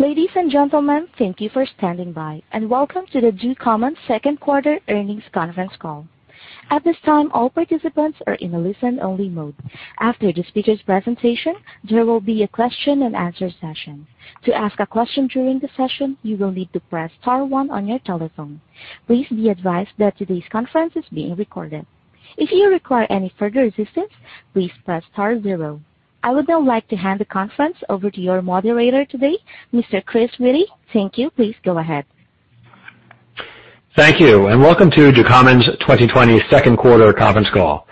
Ladies and gentlemen, thank you for standing by, and welcome to the Ducommun Second Quarter Earnings Conference Call. At this time, all participants are in a listen-only mode. After the speakers' presentation, there will be a question-and-answer session. To ask a question during the session, you will need to press star one on your telephone. Please be advised that today's conference is being recorded. If you require any further assistance, please press star zero. I would now like to hand the conference over to your moderator today, Mr. Chris Witty. Thank you. Please go ahead. Thank you, and welcome to Ducommun's 2020 Second Quarter Conference Call.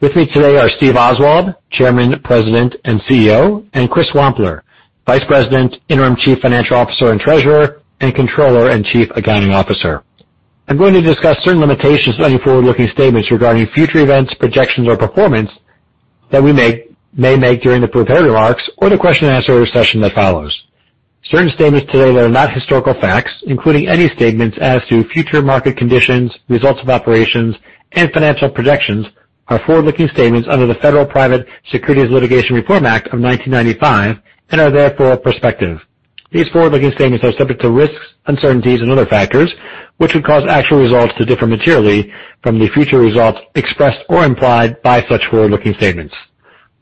With me today are Steve Oswald, Chairman, President, and CEO, and Chris Wampler, Vice President, Interim Chief Financial Officer and Treasurer, and Controller and Chief Accounting Officer. I'm going to discuss certain limitations on any forward-looking statements regarding future events, projections, or performance that we may make during the prepared remarks or the question-and-answer session that follows. Certain statements today that are not historical facts, including any statements as to future market conditions, results of operations, and financial projections are forward-looking statements under the Federal Private Securities Litigation Reform Act of 1995 and are therefore prospective. These forward-looking statements are subject to risks, uncertainties, and other factors, which would cause actual results to differ materially from the future results expressed or implied by such forward-looking statements.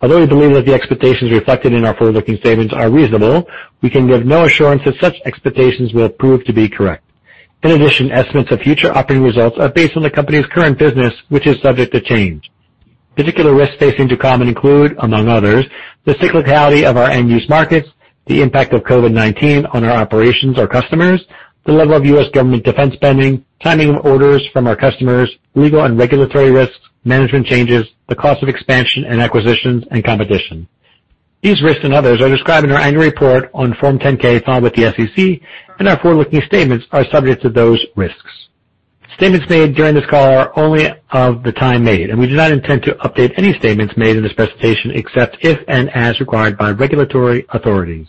Although we believe that the expectations reflected in our forward-looking statements are reasonable, we can give no assurance that such expectations will prove to be correct. In addition, estimates of future operating results are based on the company's current business, which is subject to change. Particular risks facing Ducommun include, among others, the cyclicality of our end-use markets, the impact of COVID-19 on our operations or customers, the level of U.S. government defense spending, timing of orders from our customers, legal and regulatory risks, management changes, the cost of expansion and acquisitions, and competition. These risks and others are described in our annual report on Form 10-K filed with the SEC, and our forward-looking statements are subject to those risks. Statements made during this call are only of the time made, and we do not intend to update any statements made in this presentation except if and as required by regulatory authorities.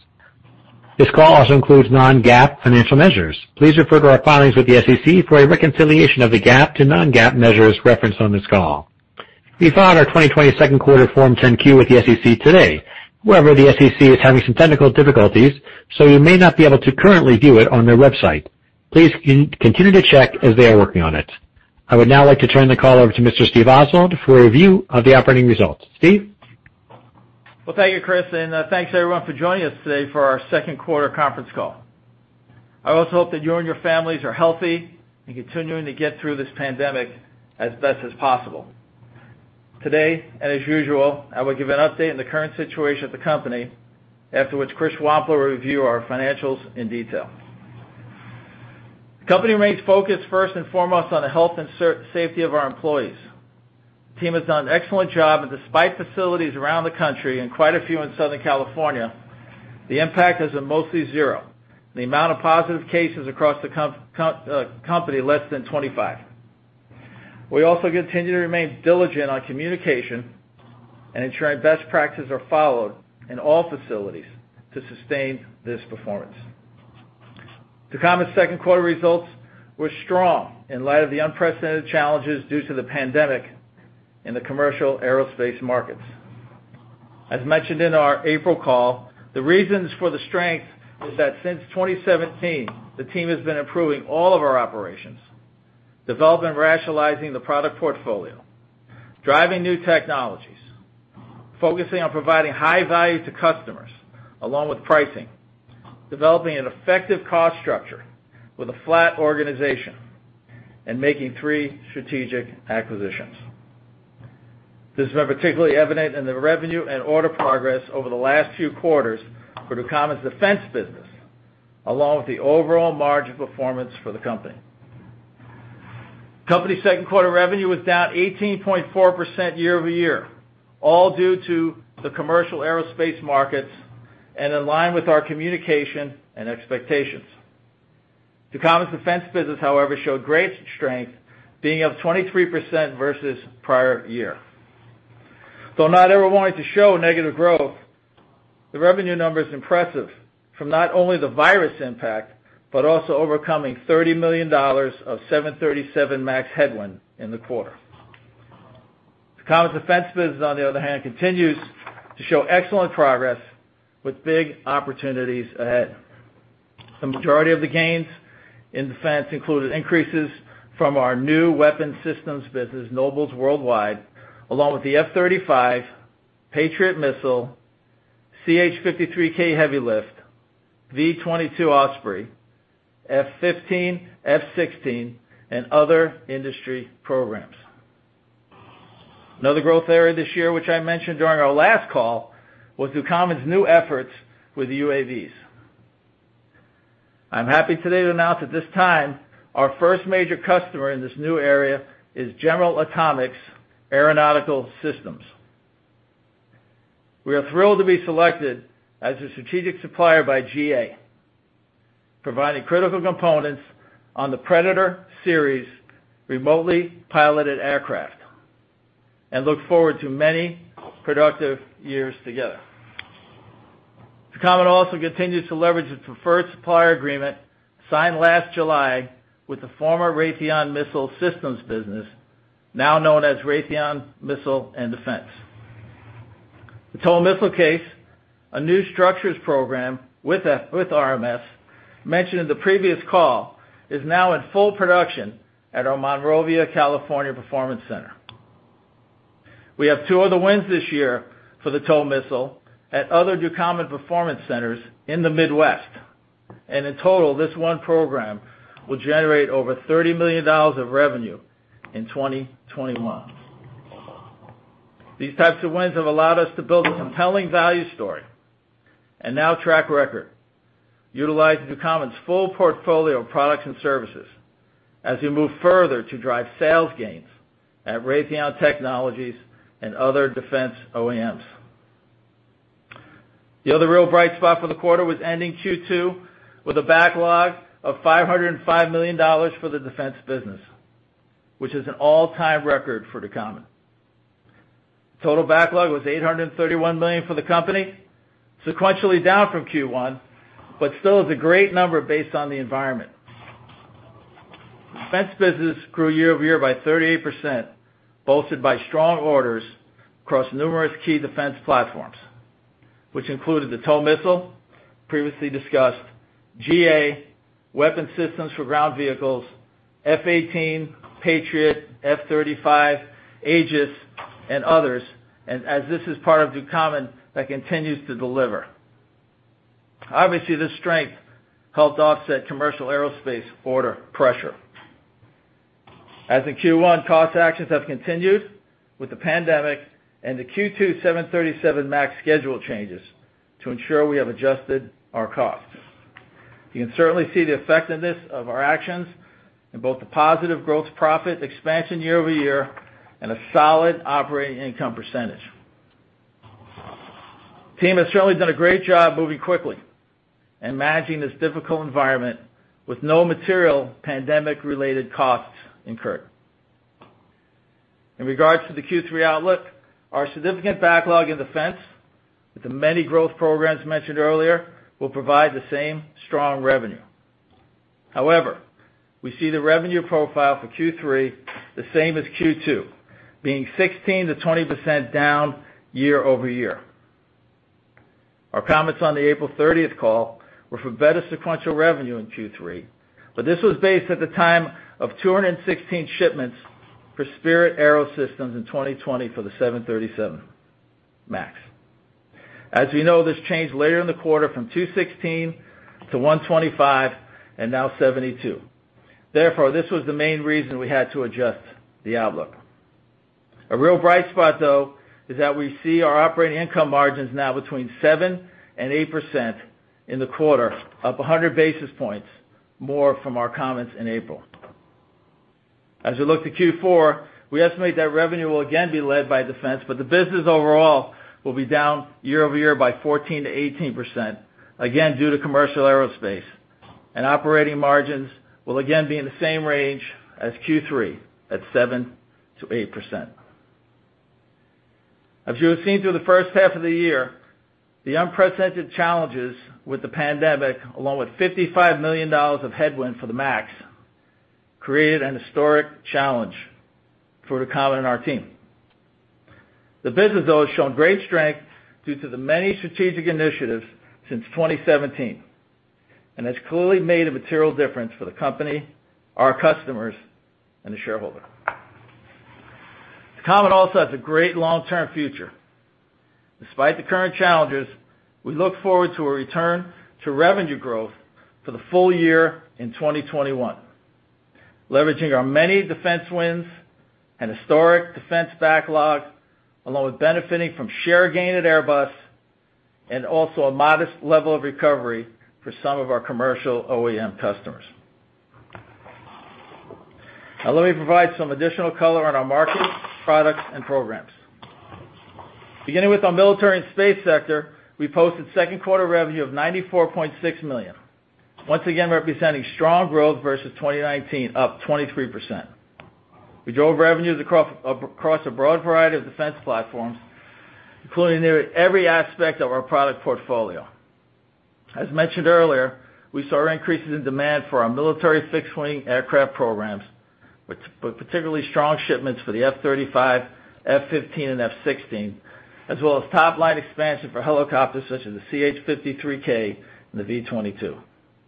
This call also includes non-GAAP financial measures. Please refer to our filings with the SEC for a reconciliation of the GAAP to non-GAAP measures referenced on this call. We filed our 2020 second quarter Form 10-Q with the SEC today. The SEC is having some technical difficulties, so you may not be able to currently view it on their website. Please continue to check as they are working on it. I would now like to turn the call over to Mr. Steve Oswald for a review of the operating results. Steve? Well, thank you, Chris, and thanks to everyone for joining us today for our second quarter conference call. I also hope that you and your families are healthy and continuing to get through this pandemic as best as possible. Today, and as usual, I will give an update on the current situation of the company, after which Chris Wampler will review our financials in detail. The company remains focused first and foremost on the health and safety of our employees. The team has done an excellent job, and despite facilities around the country and quite a few in Southern California, the impact has been mostly zero. The amount of positive cases across the company, less than 25. We also continue to remain diligent on communication and ensuring best practices are followed in all facilities to sustain this performance. Ducommun's second quarter results were strong in light of the unprecedented challenges due to the pandemic in the commercial aerospace markets. As mentioned in our April call, the reasons for the strength is that since 2017, the team has been improving all of our operations, developing and rationalizing the product portfolio, driving new technologies, focusing on providing high value to customers along with pricing, developing an effective cost structure with a flat organization, and making three strategic acquisitions. This has been particularly evident in the revenue and order progress over the last few quarters for Ducommun's defense business, along with the overall margin performance for the company. Company second quarter revenue was down 18.4% year-over-year, all due to the commercial aerospace markets and in line with our communication and expectations. Ducommun's defense business, however, showed great strength, being up 23% versus prior year. Though not ever wanting to show negative growth, the revenue number is impressive from not only the virus impact, but also overcoming $30 million of 737 MAX headwind in the quarter. Ducommun's defense business, on the other hand, continues to show excellent progress with big opportunities ahead. The majority of the gains in defense included increases from our new weapon systems business, Nobles Worldwide, along with the F-35, Patriot missile, CH-53K Heavy Lift, V-22 Osprey, F-15, F-16, and other industry programs. Another growth area this year, which I mentioned during our last call, was Ducommun's new efforts with UAVs. I'm happy today to announce at this time our first major customer in this new area is General Atomics Aeronautical Systems. We are thrilled to be selected as a strategic supplier by GA, providing critical components on the Predator series remotely piloted aircraft and look forward to many productive years together. Ducommun also continues to leverage its preferred supplier agreement signed last July with the former Raytheon Missile Systems business. Now known as Raytheon Missiles & Defense. The TOW missile case, a new structures program with RMS, mentioned in the previous call, is now in full production at our Monrovia, California, performance center. We have two other wins this year for the TOW missile at other Ducommun performance centers in the Midwest. In total, this one program will generate over $30 million of revenue in 2021. These types of wins have allowed us to build a compelling value story, and now track record, utilizing Ducommun's full portfolio of products and services as we move further to drive sales gains at Raytheon Technologies and other defense OEMs. The other real bright spot for the quarter was ending Q2 with a backlog of $505 million for the defense business, which is an all-time record for Ducommun. Total backlog was $831 million for the company, sequentially down from Q1, but still is a great number based on the environment. Defense business grew year-over-year by 38%, bolstered by strong orders across numerous key defense platforms, which included the TOW missile, previously discussed, GA, weapon systems for ground vehicles, F/A-18, Patriot, F-35, Aegis, and others, as this is part of Ducommun that continues to deliver. Obviously, this strength helped offset commercial aerospace order pressure. As in Q1, cost actions have continued with the pandemic and the Q2 737 MAX schedule changes to ensure we have adjusted our costs. You can certainly see the effectiveness of our actions in both the positive gross profit expansion year-over-year and a solid operating income percentage. Team has certainly done a great job moving quickly and managing this difficult environment with no material pandemic-related costs incurred. In regards to the Q3 outlook, our significant backlog in defense with the many growth programs mentioned earlier will provide the same strong revenue. However, we see the revenue profile for Q3 the same as Q2, being 16%-20% down year-over-year. Our comments on the April 30th call were for better sequential revenue in Q3, but this was based at the time of 216 shipments for Spirit AeroSystems in 2020 for the 737 MAX. As we know, this changed later in the quarter from 216 to 125, and now 72. Therefore, this was the main reason we had to adjust the outlook. A real bright spot, though, is that we see our operating income margins now between 7% and 8% in the quarter, up 100 basis points more from our comments in April. As we look to Q4, we estimate that revenue will again be led by defense, but the business overall will be down year-over-year by 14%-18%, again, due to commercial aerospace. Operating margins will again be in the same range as Q3 at 7%-8%. As you have seen through the first half of the year, the unprecedented challenges with the pandemic, along with $55 million of headwind for the MAX, created an historic challenge for Ducommun and our team. The business, though, has shown great strength due to the many strategic initiatives since 2017, and has clearly made a material difference for the company, our customers, and the shareholder. Ducommun also has a great long-term future. Despite the current challenges, we look forward to a return to revenue growth for the full year in 2021, leveraging our many defense wins and historic defense backlog, along with benefiting from share gain at Airbus, and also a modest level of recovery for some of our commercial OEM customers. Now, let me provide some additional color on our markets, products, and programs. Beginning with our military and space sector, we posted second quarter revenue of $94.6 million. Once again, representing strong growth versus 2019, up 23%. We drove revenues across a broad variety of defense platforms, including nearly every aspect of our product portfolio. As mentioned earlier, we saw increases in demand for our military fixed-wing aircraft programs with particularly strong shipments for the F-35, F-15, and F-16, as well as top-line expansion for helicopters such as the CH-53K and the V-22.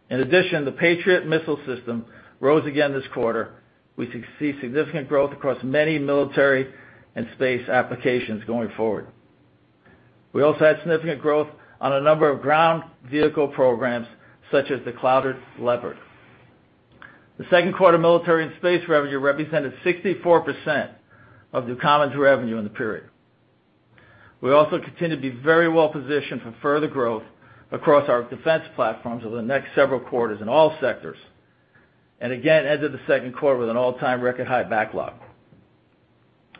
In addition, the Patriot missile system rose again this quarter. We see significant growth across many military and space applications going forward. We also had significant growth on a number of ground vehicle programs such as the Clouded Leopard. The second quarter military and space revenue represented 64% of Ducommun's revenue in the period. We also continue to be very well positioned for further growth across our defense platforms over the next several quarters in all sectors. Again, entered the second quarter with an all-time record high backlog.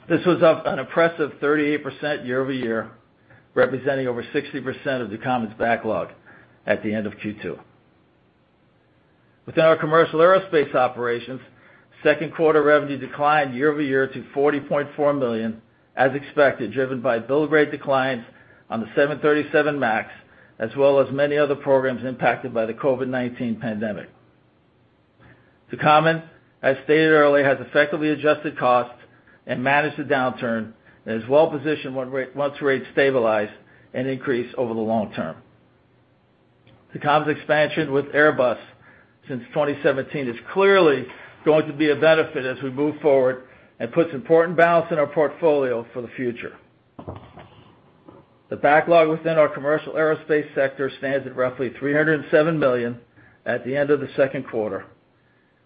This was up an impressive 38% year-over-year, representing over 60% of Ducommun's backlog at the end of Q2. Within our commercial aerospace operations, second quarter revenue declined year-over-year to $40.4 million, as expected, driven by build rate declines on the 737 MAX, as well as many other programs impacted by the COVID-19 pandemic. Ducommun, as stated earlier, has effectively adjusted costs and managed the downturn and is well-positioned once rates stabilize and increase over the long term. Ducommun's expansion with Airbus since 2017 is clearly going to be a benefit as we move forward and puts important balance in our portfolio for the future. The backlog within our commercial aerospace sector stands at roughly $307 million at the end of the second quarter,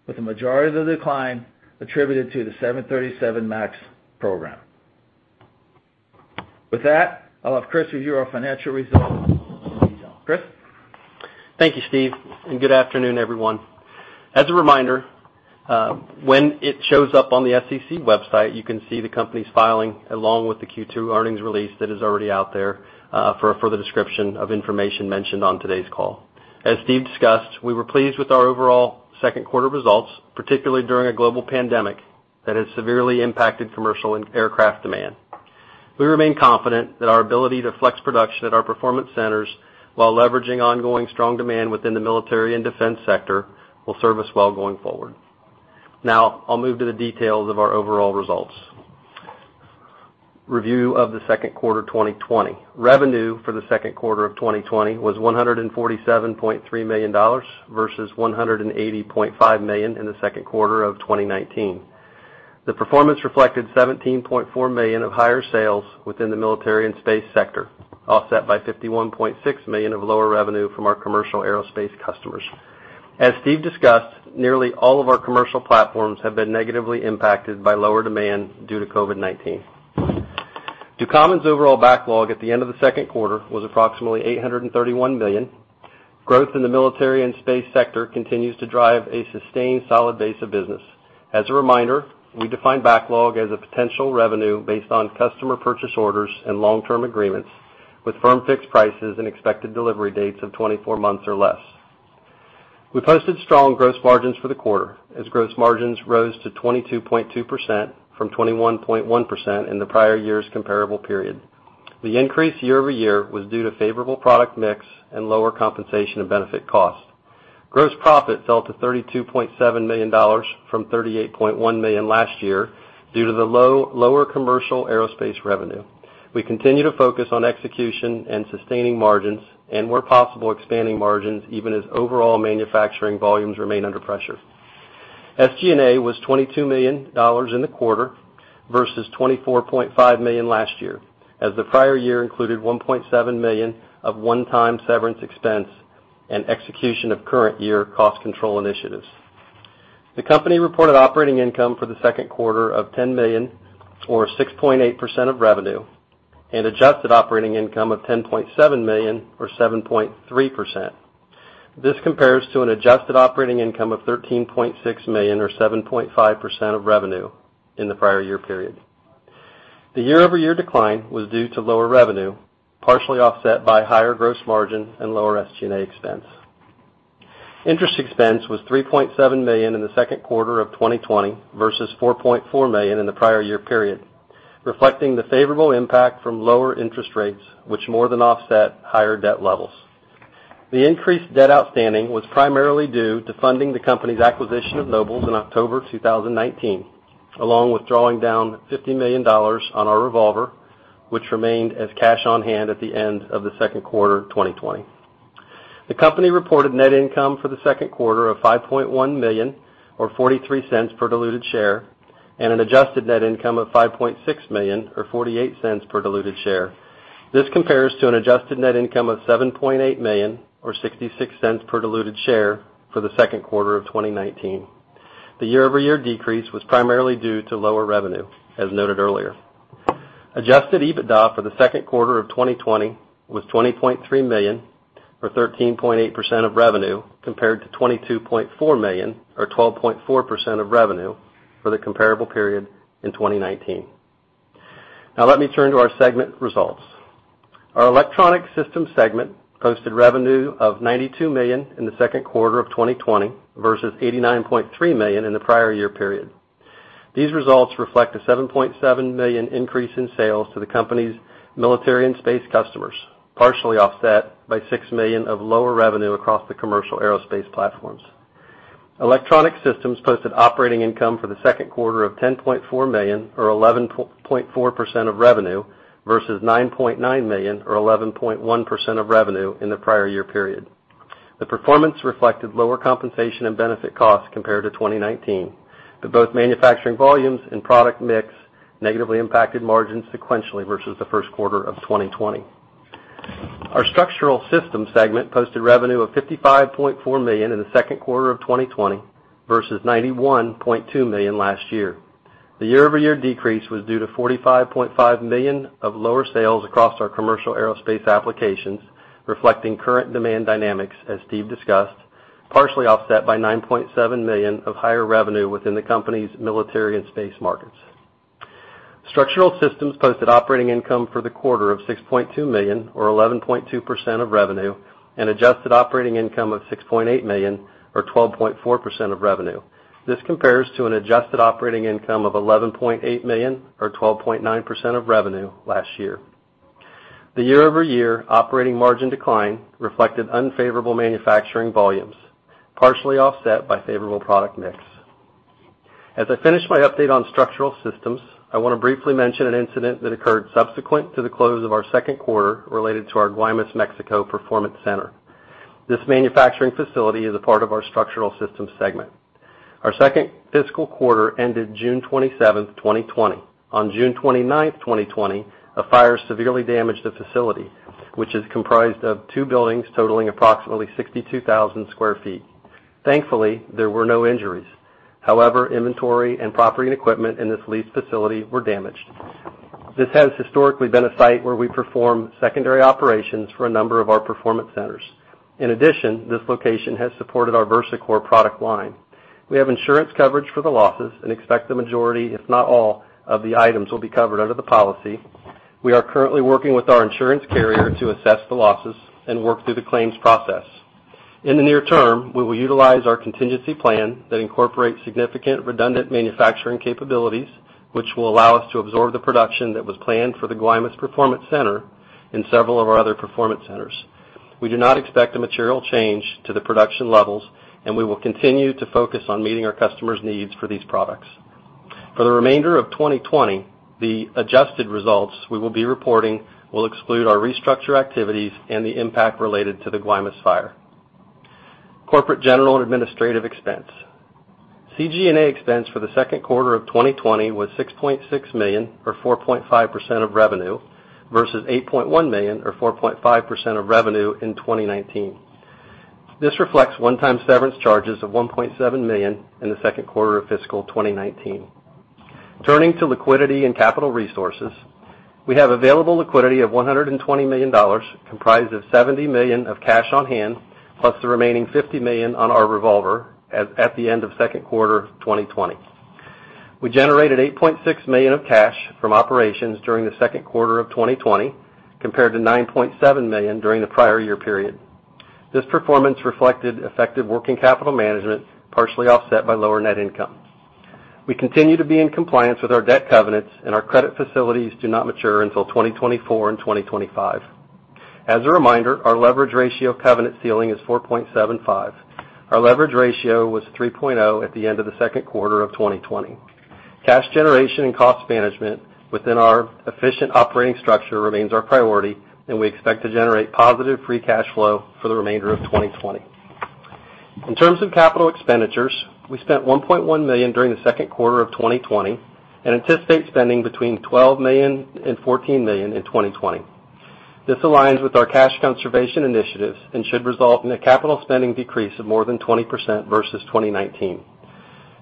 with the majority of the decline attributed to the 737 MAX program. With that, I'll have Chris review our financial results in detail. Chris. Thank you, Steve. Good afternoon, everyone. As a reminder, when it shows up on the SEC website, you can see the company's filing along with the Q2 earnings release that is already out there for a further description of information mentioned on today's call. As Steve discussed, we were pleased with our overall second quarter results, particularly during a global pandemic that has severely impacted commercial and aircraft demand. We remain confident that our ability to flex production at our performance centers while leveraging ongoing strong demand within the military and defense sector will serve us well going forward. Now, I'll move to the details of our overall results. Review of the second quarter 2020. Revenue for the second quarter of 2020 was $147.3 million versus $180.5 million in the second quarter of 2019. The performance reflected $17.4 million of higher sales within the military and space sector, offset by $51.6 million of lower revenue from our commercial aerospace customers. As Steve discussed, nearly all of our commercial platforms have been negatively impacted by lower demand due to COVID-19. Ducommun's overall backlog at the end of the second quarter was approximately $831 million. Growth in the military and space sector continues to drive a sustained solid base of business. As a reminder, we define backlog as a potential revenue based on customer purchase orders and long-term agreements with firm fixed prices and expected delivery dates of 24 months or less. We posted strong gross margins for the quarter, as gross margins rose to 22.2% from 21.1% in the prior year's comparable period. The increase year-over-year was due to favorable product mix and lower compensation and benefit costs. Gross profit fell to $32.7 million from $38.1 million last year due to the lower commercial aerospace revenue. We continue to focus on execution and sustaining margins, and where possible, expanding margins, even as overall manufacturing volumes remain under pressure. SG&A was $22 million in the quarter versus $24.5 million last year, as the prior year included $1.7 million of one-time severance expense and execution of current year cost control initiatives. The company reported operating income for the second quarter of $10 million, or 6.8% of revenue, and adjusted operating income of $10.7 million or 7.3%. This compares to an adjusted operating income of $13.6 million or 7.5% of revenue in the prior year period. The year-over-year decline was due to lower revenue, partially offset by higher gross margin and lower SG&A expense. Interest expense was $3.7 million in the second quarter of 2020 versus $4.4 million in the prior year period, reflecting the favorable impact from lower interest rates, which more than offset higher debt levels. The increased debt outstanding was primarily due to funding the company's acquisition of Nobles in October 2019, along with drawing down $50 million on our revolver, which remained as cash on hand at the end of the second quarter 2020. The company reported net income for the second quarter of $5.1 million or $0.43 per diluted share, and an adjusted net income of $5.6 million or $0.48 per diluted share. This compares to an adjusted net income of $7.8 million or $0.66 per diluted share for the second quarter of 2019. The year-over-year decrease was primarily due to lower revenue, as noted earlier. Adjusted EBITDA for the second quarter of 2020 was $20.3 million or 13.8% of revenue, compared to $22.4 million or 12.4% of revenue for the comparable period in 2019. Let me turn to our segment results. Our Electronic Systems segment posted revenue of $92 million in the second quarter of 2020 versus $89.3 million in the prior year period. These results reflect a $7.7 million increase in sales to the company's military and space customers, partially offset by $6 million of lower revenue across the commercial aerospace platforms. Electronic Systems posted operating income for the second quarter of $10.4 million or 11.4% of revenue versus $9.9 million or 11.1% of revenue in the prior year period. The performance reflected lower compensation and benefit costs compared to 2019, both manufacturing volumes and product mix negatively impacted margins sequentially versus the first quarter of 2020. Our Structural Systems segment posted revenue of $55.4 million in the second quarter of 2020 versus $91.2 million last year. The year-over-year decrease was due to $45.5 million of lower sales across our commercial aerospace applications, reflecting current demand dynamics as Steve discussed, partially offset by $9.7 million of higher revenue within the company's military and space markets. Structural Systems posted operating income for the quarter of $6.2 million or 11.2% of revenue and adjusted operating income of $6.8 million or 12.4% of revenue. This compares to an adjusted operating income of $11.8 million or 12.9% of revenue last year. The year-over-year operating margin decline reflected unfavorable manufacturing volumes, partially offset by favorable product mix. As I finish my update on Structural Systems, I want to briefly mention an incident that occurred subsequent to the close of our second quarter related to our Guaymas, Mexico performance center. This manufacturing facility is a part of our Structural Systems segment. Our second fiscal quarter ended June 27th, 2020. On June 29th, 2020, a fire severely damaged the facility, which is comprised of two buildings totaling approximately 62,000 sq ft. Thankfully, there were no injuries. However, inventory and property and equipment in this leased facility were damaged. This has historically been a site where we perform secondary operations for a number of our performance centers. In addition, this location has supported our VersaCore product line. We have insurance coverage for the losses and expect the majority, if not all, of the items will be covered under the policy. We are currently working with our insurance carrier to assess the losses and work through the claims process. In the near term, we will utilize our contingency plan that incorporates significant redundant manufacturing capabilities, which will allow us to absorb the production that was planned for the Guaymas performance center in several of our other performance centers. We do not expect a material change to the production levels, and we will continue to focus on meeting our customers' needs for these products. For the remainder of 2020, the adjusted results we will be reporting will exclude our restructure activities and the impact related to the Guaymas fire. Corporate general and administrative expense. CG&A expense for the second quarter of 2020 was $6.6 million, or 4.5% of revenue, versus $8.1 million, or 4.5% of revenue in 2019. This reflects one-time severance charges of $1.7 million in the second quarter of fiscal 2019. Turning to liquidity and capital resources, we have available liquidity of $120 million, comprised of $70 million of cash on hand, plus the remaining $50 million on our revolver at the end of second quarter 2020. We generated $8.6 million of cash from operations during the second quarter of 2020, compared to $9.7 million during the prior year period. This performance reflected effective working capital management, partially offset by lower net income. We continue to be in compliance with our debt covenants, and our credit facilities do not mature until 2024 and 2025. As a reminder, our leverage ratio covenant ceiling is 4.75. Our leverage ratio was 3.0 at the end of the second quarter of 2020. Cash generation and cost management within our efficient operating structure remains our priority, and we expect to generate positive free cash flow for the remainder of 2020. In terms of capital expenditures, we spent $1.1 million during the second quarter of 2020 and anticipate spending between $12 million and $14 million in 2020. This aligns with our cash conservation initiatives and should result in a capital spending decrease of more than 20% versus 2019.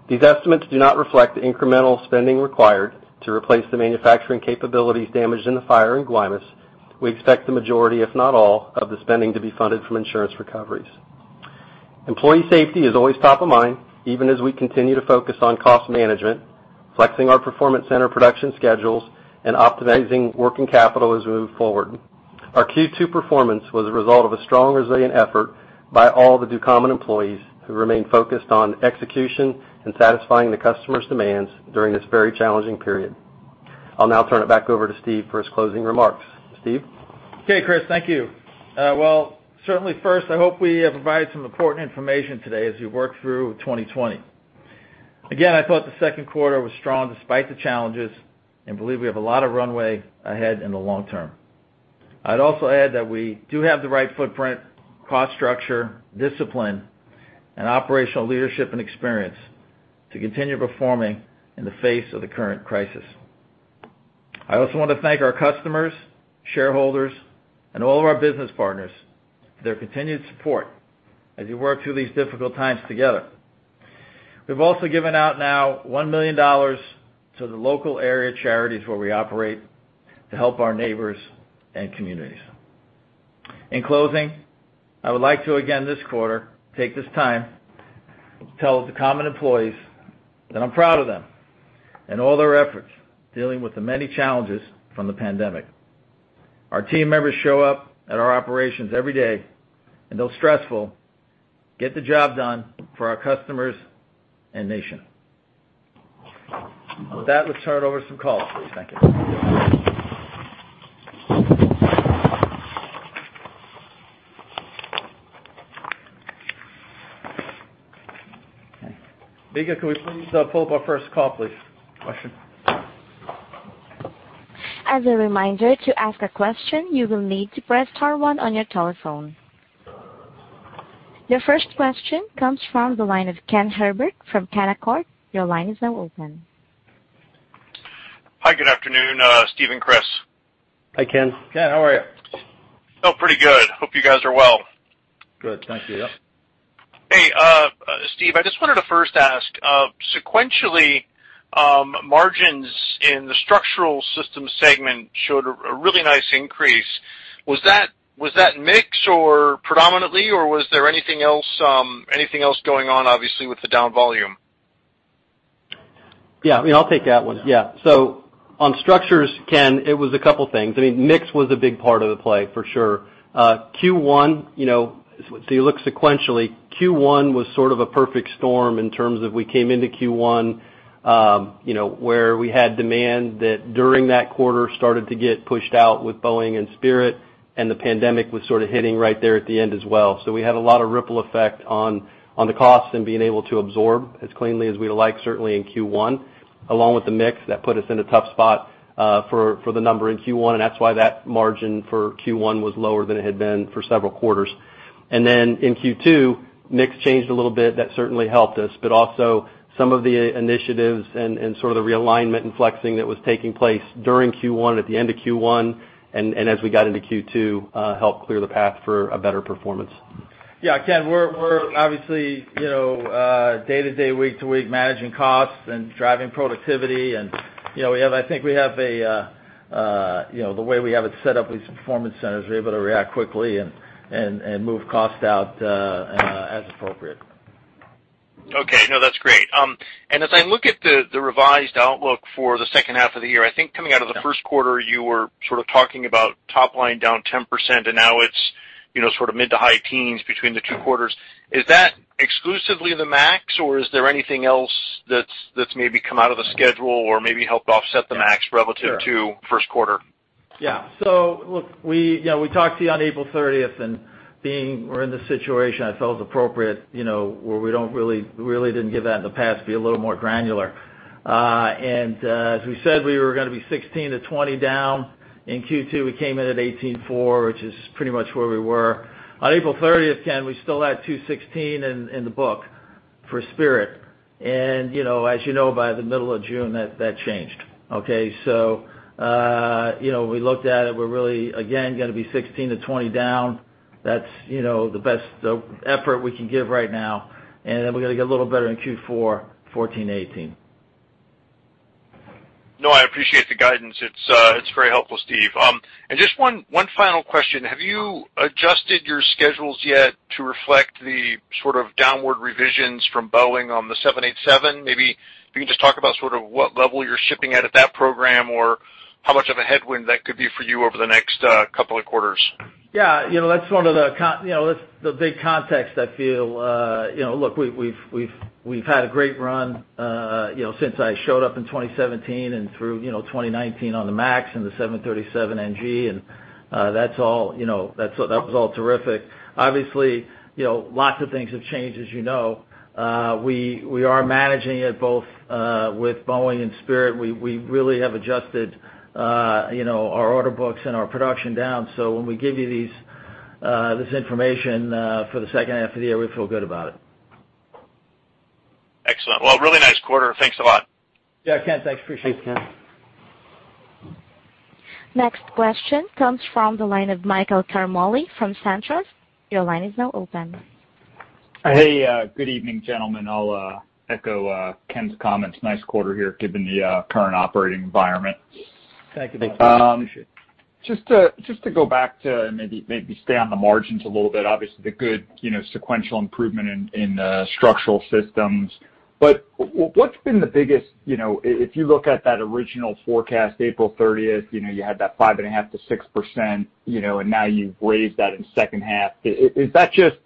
These estimates do not reflect the incremental spending required to replace the manufacturing capabilities damaged in the fire in Guaymas. We expect the majority, if not all, of the spending to be funded from insurance recoveries. Employee safety is always top of mind, even as we continue to focus on cost management, flexing our performance center production schedules, and optimizing working capital as we move forward. Our Q2 performance was a result of a strong, resilient effort by all the Ducommun employees, who remain focused on execution and satisfying the customers' demands during this very challenging period. I'll now turn it back over to Steve for his closing remarks. Steve? Okay, Chris. Thank you. Well, certainly first, I hope we have provided some important information today as we work through 2020. I thought the second quarter was strong despite the challenges and believe we have a lot of runway ahead in the long term. I'd also add that we do have the right footprint, cost structure, discipline, and operational leadership and experience to continue performing in the face of the current crisis. I also want to thank our customers, shareholders, and all of our business partners for their continued support as we work through these difficult times together. We've also given out now $1 million to the local area charities where we operate to help our neighbors and communities. In closing, I would like to again this quarter take this time to tell Ducommun employees that I'm proud of them and all their efforts dealing with the many challenges from the pandemic. Our team members show up at our operations every day, and though stressful, get the job done for our customers and nation. With that, let's turn it over to some calls, please. Thank you. Okay. Becca, can we please pull up our first call, please? Question. As a reminder, to ask a question, you will need to press star one on your telephone. Your first question comes from the line of Ken Herbert from Canaccord. Your line is now open. Hi, good afternoon, Steve and Chris. Hi, Ken. Ken, how are you? Oh, pretty good. Hope you guys are well. Good. Thank you. Yeah. Hey, Steve, I just wanted to first ask, sequentially, margins in the Structural Systems segment showed a really nice increase. Was that mix predominantly, or was there anything else going on, obviously, with the down volume? I mean, I'll take that one. On structures, Ken, it was a couple things. I mean, mix was a big part of the play, for sure. You look sequentially, Q1 was sort of a perfect storm in terms of we came into Q1 where we had demand that during that quarter started to get pushed out with Boeing and Spirit, and the pandemic was sort of hitting right there at the end as well. We had a lot of ripple effect on the cost and being able to absorb as cleanly as we'd have liked, certainly in Q1, along with the mix, that put us in a tough spot for the number in Q1, and that's why that margin for Q1 was lower than it had been for several quarters. In Q2, mix changed a little bit. That certainly helped us, but also some of the initiatives and sort of the realignment and flexing that was taking place during Q1, at the end of Q1, and as we got into Q2, helped clear the path for a better performance. Yeah, Ken, we're obviously, day to day, week to week, managing costs and driving productivity, and I think the way we have it set up with these performance centers, we're able to react quickly and move cost out as appropriate. Okay. No, that's great. As I look at the revised outlook for the second half of the year, I think coming out of the first quarter, you were sort of talking about top line down 10%, and now it's mid to high teens between the two quarters. Is that exclusively the Max, or is there anything else that's maybe come out of the schedule or maybe helped offset the Max relative to first quarter? Yeah. We talked to you on April 30th, and being we're in this situation, I felt it was appropriate, where we really didn't give that in the past, be a little more granular. As we said, we were going to be 16%-20% down in Q2. We came in at 18.4%, which is pretty much where we were. On April 30th, Ken, we still had 216 in the book for Spirit. As you know, by the middle of June, that changed. Okay? We looked at it. We're really, again, going to be 16%-20% down. That's the best effort we can give right now, and then we're going to get a little better in Q4, 14%-18%. No, I appreciate the guidance. It's very helpful, Steve. Just one final question. Have you adjusted your schedules yet to reflect the sort of downward revisions from Boeing on the 787? Maybe if you can just talk about what level you're shipping at that program, or how much of a headwind that could be for you over the next couple of quarters. Yeah. That's the big context I feel. Look, we've had a great run since I showed up in 2017 and through 2019 on the Max and the 737NG, and that was all terrific. Obviously, lots of things have changed, as you know. We are managing it both with Boeing and Spirit. We really have adjusted our order books and our production down. When we give you this information for the second half of the year, we feel good about it. Excellent. Well, really nice quarter. Thanks a lot. Yeah, Ken. Thanks. Appreciate it. Thanks, Ken. Next question comes from the line of Michael Ciarmoli from Truist. Your line is now open. Hey, good evening, gentlemen. I'll echo Ken's comments. Nice quarter here given the current operating environment. Thank you, Michael. Just to go back to maybe stay on the margins a little bit. Obviously, the good sequential improvement in Structural Systems, what's been the biggest, if you look at that original forecast, April 30th, you had that 5.5%-6%, and now you've raised that in second half. Is that just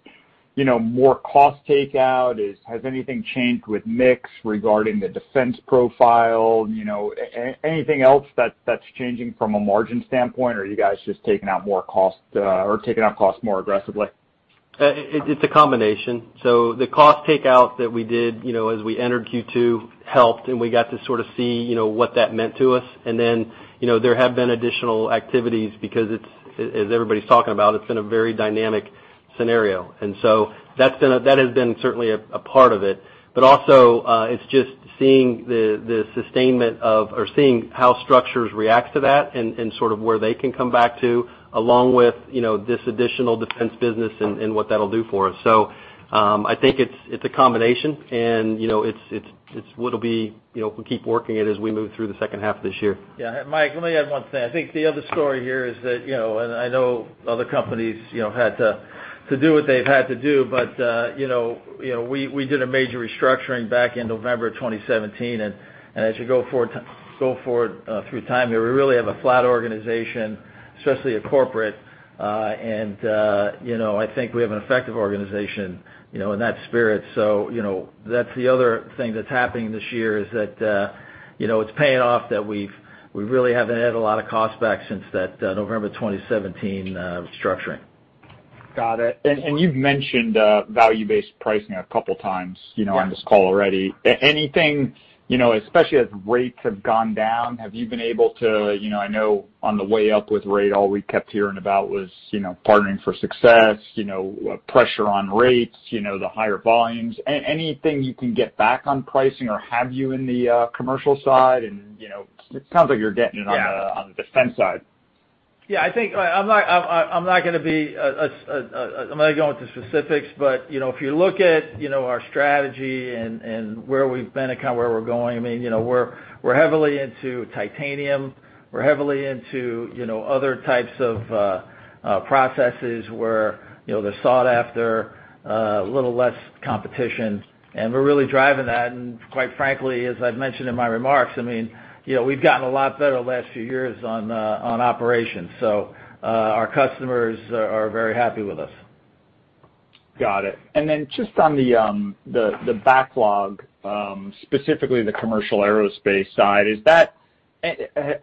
more cost takeout? Has anything changed with mix regarding the defense profile? Anything else that's changing from a margin standpoint, or are you guys just taking out cost more aggressively? It's a combination. The cost takeout that we did as we entered Q2 helped, and we got to sort of see what that meant to us. There have been additional activities because as everybody's talking about, it's been a very dynamic scenario. That has been certainly a part of it. It's just seeing the sustainment of, or seeing how structures react to that and sort of where they can come back to, along with this additional defense business and what that'll do for us. I think it's a combination, and we'll keep working it as we move through the second half of this year. Yeah. Mike, let me add one thing. I think the other story here is that, and I know other companies had to do what they've had to do, but we did a major restructuring back in November of 2017, and as you go forward through time here, we really have a flat organization, especially at corporate. I think we have an effective organization in that spirit. That's the other thing that's happening this year is that it's paying off that we really haven't had a lot of cost back since that November 2017 restructuring. Got it. You've mentioned value-based pricing a couple times on this call already. Anything, especially as rates have gone down, have you been able to, I know on the way up with rate, all we kept hearing about was partnering for success, pressure on rates, the higher volumes. Anything you can get back on pricing, or have you in the commercial side, and it sounds like you're getting it on the defense side? Yeah, I'm not going to go into specifics, but if you look at our strategy and where we've been and kind of where we're going, I mean, we're heavily into titanium. We're heavily into other types of processes where they're sought after, a little less competition, and we're really driving that. Quite frankly, as I've mentioned in my remarks, I mean, we've gotten a lot better the last few years on operations, so our customers are very happy with us. Got it. Just on the backlog, specifically the commercial aerospace side,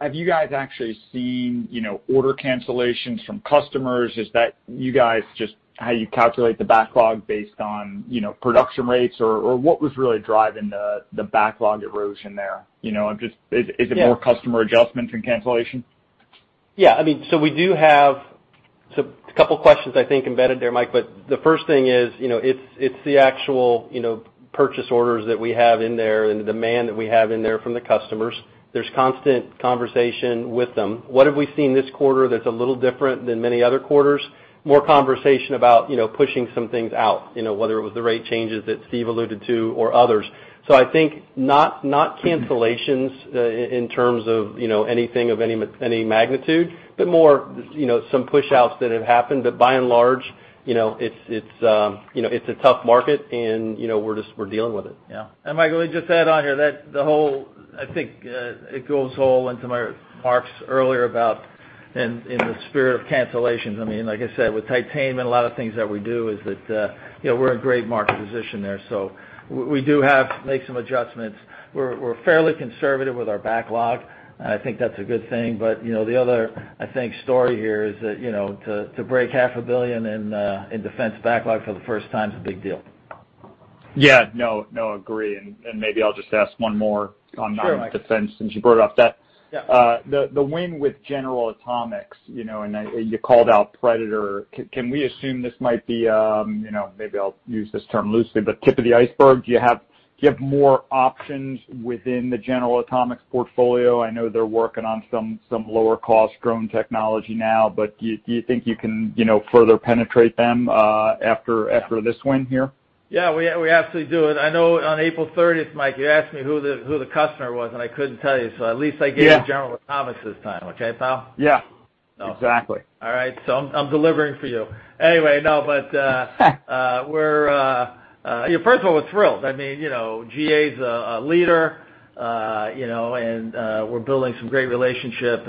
have you guys actually seen order cancellations from customers? Is that you guys just how you calculate the backlog based on production rates, or what was really driving the backlog erosion there? Is it more customer adjustments and cancellation? Yeah. We do have a couple of questions, I think, embedded there, Mike. The first thing is, it's the actual purchase orders that we have in there and the demand that we have in there from the customers. There's constant conversation with them. What have we seen this quarter that's a little different than many other quarters? More conversation about pushing some things out, whether it was the rate changes that Steve alluded to or others. I think not cancellations in terms of anything of any magnitude, but more some push-outs that have happened. By and large, it's a tough market, and we're dealing with it. Yeah. Mike, let me just add on here that the whole, I think, it goes all into Mark's earlier about in the spirit of cancellations. Like I said, with titanium and a lot of things that we do is that we're in great market position there. We do have to make some adjustments. We're fairly conservative with our backlog, and I think that's a good thing. The other, I think, story here is that to break half a billion in defense backlog for the first time is a big deal. Yeah. No, agree. Maybe I'll just ask one more on non-defense. Sure, Mike. since you brought up that. Yeah. The win with General Atomics, you called out Predator, can we assume this might be, maybe I'll use this term loosely, tip of the iceberg? Do you have more options within the General Atomics portfolio? I know they're working on some lower cost drone technology now, do you think you can further penetrate them after this win here? Yeah, we absolutely do. I know on April 30th, Mike, you asked me who the customer was, and I couldn't tell you, so at least I gave you General Atomics this time. Okay, pal? Yeah. Exactly. All right. I'm delivering for you. Anyway, no. First of all, we're thrilled. GA's a leader, we're building some great relationship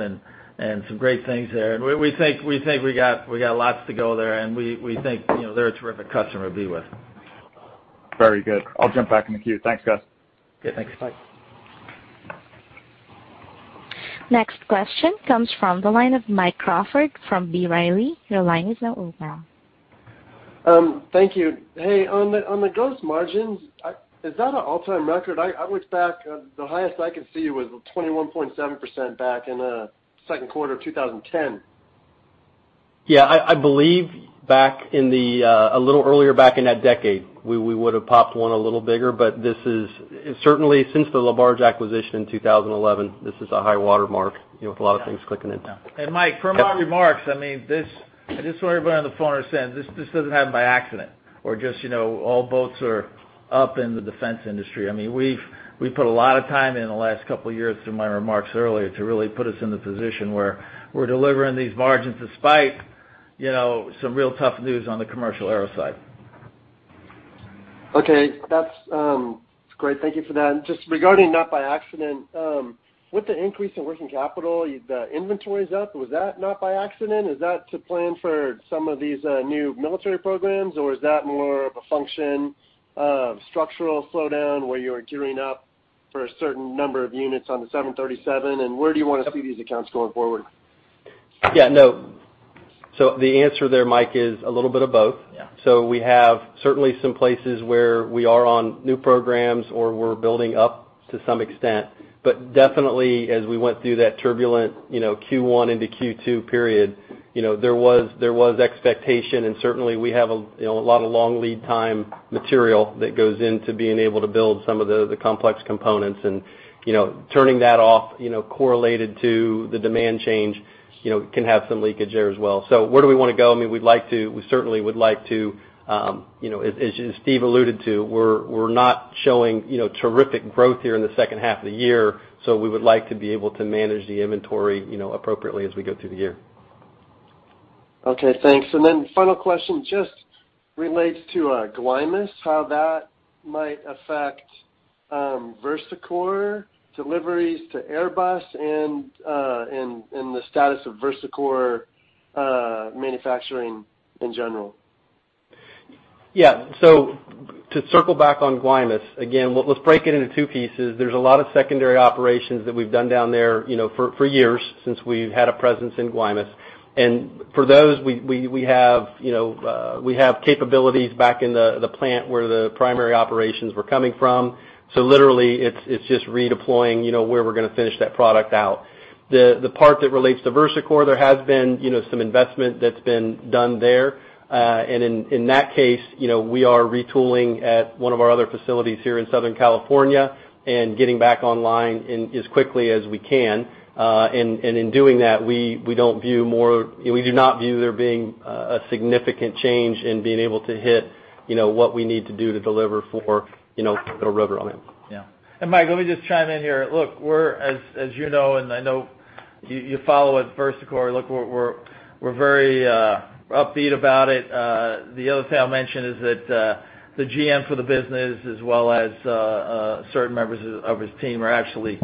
and some great things there. We think we got lots to go there, and we think they're a terrific customer to be with. Very good. I'll jump back in the queue. Thanks, guys. Okay, thanks, Mike. Next question comes from the line of Mike Crawford from B. Riley. Your line is now open. Thank you. Hey, on the gross margins, is that an all-time record? I looked back. The highest I could see was 21.7% back in second quarter of 2010. I believe a little earlier back in that decade, we would've popped one a little bigger, but certainly since the LaBarge acquisition in 2011, this is a high water mark, with a lot of things clicking in. Mike, per my remarks, I just want everyone on the phone to understand, this doesn't happen by accident or just all boats are up in the defense industry. We've put a lot of time in the last couple of years through my remarks earlier to really put us in the position where we're delivering these margins despite some real tough news on the commercial aero side. Okay. That's great. Thank you for that. Just regarding not by accident, with the increase in working capital, the inventory's up, was that not by accident? Is that to plan for some of these new military programs, or is that more of a function of structural slowdown where you are gearing up for a certain number of units on the 737 MAX, and where do you want to see these accounts going forward? Yeah, no. The answer there, Mike, is a little bit of both. Yeah. We have certainly some places where we are on new programs, or we're building up to some extent. Definitely as we went through that turbulent Q1 into Q2 period, there was expectation, and certainly we have a lot of long lead time material that goes into being able to build some of the complex components. Turning that off correlated to the demand change, can have some leakage there as well. Where do we want to go? We certainly would like to, as Steve alluded to, we're not showing terrific growth here in the second half of the year, so we would like to be able to manage the inventory appropriately as we go through the year. Okay, thanks. Final question just relates to Guaymas, how that might affect VersaCore deliveries to Airbus and the status of VersaCore manufacturing in general. Yeah. To circle back on Guaymas, again, let's break it into two pieces. There's a lot of secondary operations that we've done down there for years, since we've had a presence in Guaymas. For those, we have capabilities back in the plant where the primary operations were coming from. Literally, it's just redeploying where we're going to finish that product out. The part that relates to VersaCore, there has been some investment that's been done there. In that case, we are retooling at one of our other facilities here in Southern California and getting back online as quickly as we can. In doing that, we do not view there being a significant change in being able to hit what we need to do to deliver for the rotor on it. Yeah. Mike, let me just chime in here. Look, as you know, I know you follow it, VersaCore. Look, we're very upbeat about it. The other thing I'll mention is that the GM for the business, as well as certain members of his team, are actually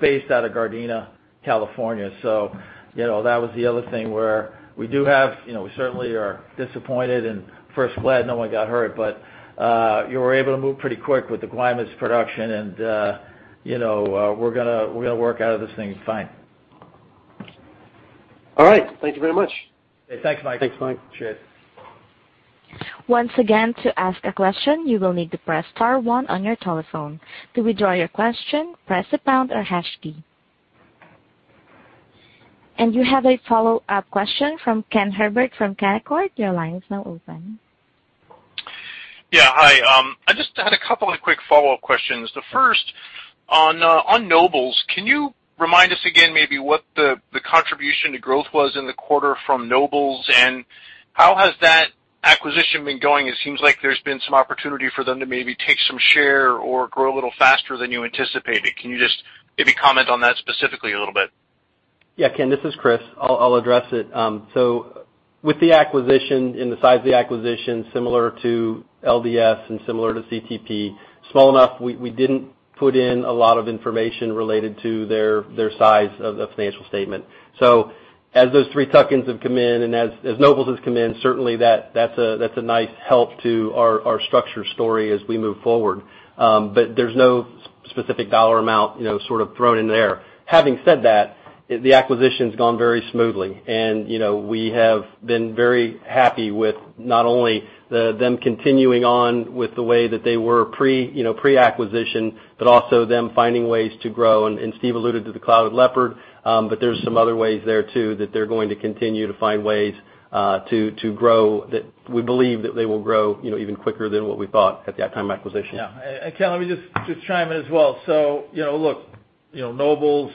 based out of Gardena, California. That was the other thing, where we certainly are disappointed and first glad no one got hurt. You were able to move pretty quick with the Guaymas production, we're going to work out of this thing fine. All right. Thank you very much. Hey, thanks, Mike. Thanks, Mike. Appreciate it. Once again, to ask a question, you will need to press star one on your telephone. To withdraw your question, press the pound or hash key. You have a follow-up question from Ken Herbert from Canaccord. Your line is now open. Yeah, hi. I just had a couple of quick follow-up questions. The first, on Nobles, can you remind us again maybe what the contribution to growth was in the quarter from Nobles, and how has that acquisition been going? It seems like there's been some opportunity for them to maybe take some share or grow a little faster than you anticipated. Can you just maybe comment on that specifically a little bit? Yeah, Ken, this is Chris. I'll address it. With the acquisition and the size of the acquisition, similar to LDS and similar to CTP, small enough we didn't put in a lot of information related to their size of the financial statement. As those three tuck-ins have come in and as Nobles has come in, certainly that's a nice help to our structure story as we move forward. There's no specific dollar amount sort of thrown in there. Having said that, the acquisition's gone very smoothly. We have been very happy with not only them continuing on with the way that they were pre-acquisition, but also them finding ways to grow. Steve alluded to the Clouded Leopard, but there's some other ways there, too, that they're going to continue to find ways to grow that we believe that they will grow even quicker than what we thought at the time of acquisition. Yeah. Ken, let me just chime in as well. Look, Nobles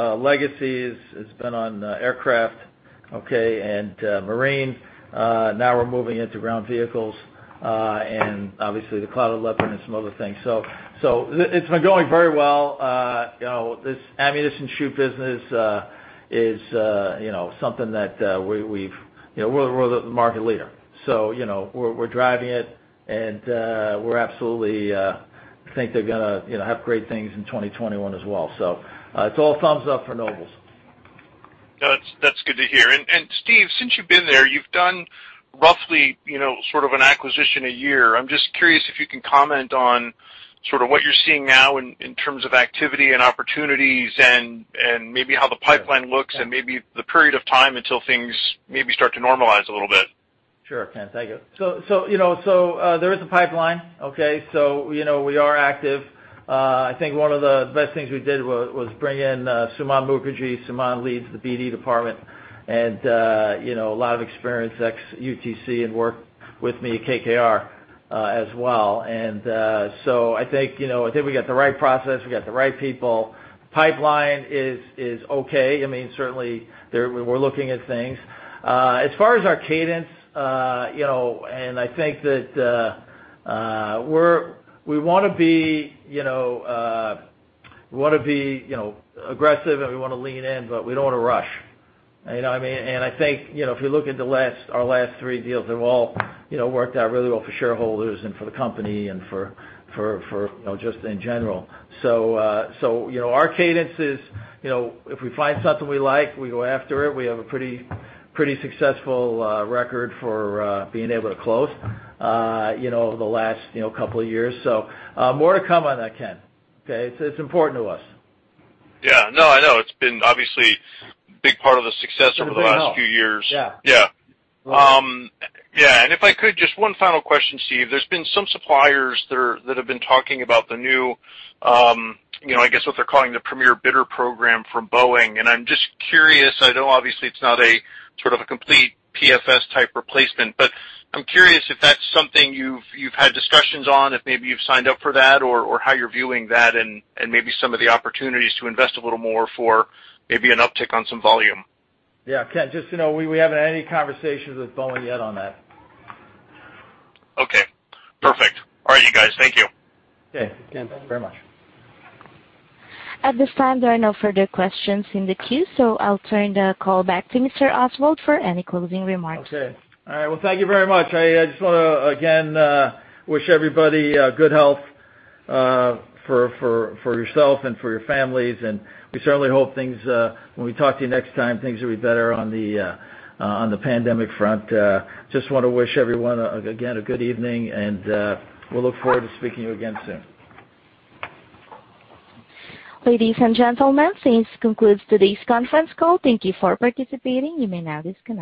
legacy has been on aircraft, okay, and marine. Now we're moving into ground vehicles, and obviously the Clouded Leopard and some other things. It's been going very well. This ammunition chute business is something that we're the market leader. We're driving it, and we absolutely think they're going to have great things in 2021 as well. It's all thumbs up for Nobles Worldwide. No, that's good to hear. Steve, since you've been there, you've done roughly sort of an acquisition a year. I'm just curious if you can comment on sort of what you're seeing now in terms of activity and opportunities and maybe how the pipeline looks and maybe the period of time until things maybe start to normalize a little bit. Sure, Ken. Thank you. There is a pipeline, okay? We are active. I think one of the best things we did was bring in Suman Mookerji. Suman leads the BD department and a lot of experience, ex-UTC, and worked with me at KKR as well. I think we got the right process, we got the right people. Pipeline is okay. Certainly, we're looking at things. As far as our cadence, and I think that we want to be aggressive and we want to lean in, but we don't want to rush. You know what I mean? I think if you look at our last three deals, they've all worked out really well for shareholders and for the company and just in general. Our cadence is if we find something we like, we go after it. We have a pretty successful record for being able to close over the last couple of years. More to come on that, Ken, okay? It's important to us. No, I know. It's been obviously a big part of the success over the last few years. It's been big help. Yeah. Yeah. Right. If I could, just one final question, Steve. There's been some suppliers that have been talking about the new, I guess what they're calling the Premier Bidder Program from Boeing. I'm just curious. I know obviously it's not a sort of a complete PFS type replacement. I'm curious if that's something you've had discussions on, if maybe you've signed up for that, or how you're viewing that and maybe some of the opportunities to invest a little more for maybe an uptick on some volume. Yeah, Ken, just so you know, we haven't had any conversations with Boeing yet on that. Okay, perfect. All right, you guys, thank you. Okay, Ken. Thank you very much. At this time, there are no further questions in the queue. I'll turn the call back to Mr. Oswald for any closing remarks. Okay. All right. Well, thank you very much. I just want to, again, wish everybody good health for yourself and for your families. We certainly hope when we talk to you next time, things will be better on the pandemic front. Just want to wish everyone, again, a good evening, and we'll look forward to speaking to you again soon. Ladies and gentlemen, this concludes today's conference call. Thank you for participating. You may now disconnect.